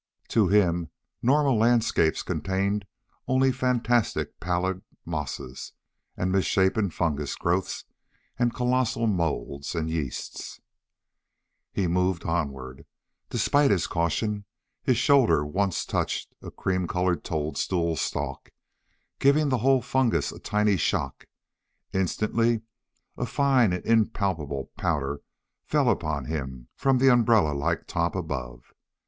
To him normal landscape contained only fantastic pallid mosses, and misshapen fungus growths, and colossal moulds and yeasts. He moved onward. Despite his caution, his shoulder once touched a cream colored toadstool stalk, giving the whole fungus a tiny shock. Instantly a fine and impalpable powder fell upon him from the umbrella like top above.